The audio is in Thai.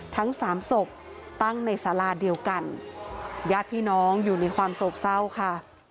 ทั้งสามศพตั้งในสาราเดียวกันญาติพี่น้องอยู่ในความโศกเศร้าค่ะ